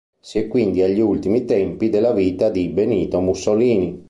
Si è quindi agli ultimi tempi della vita di Benito Mussolini.